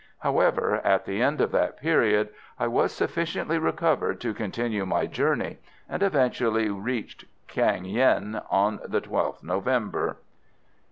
However, at the end of that period I was sufficiently recovered to continue my journey, and eventually reached Quang Yen on the 12th November.